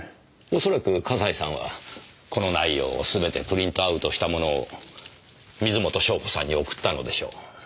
おそらく笠井さんはこの内容をすべてプリントアウトしたものを水元湘子さんに送ったのでしょう。